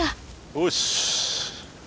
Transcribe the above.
よし！